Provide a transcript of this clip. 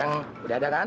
uang udah ada kan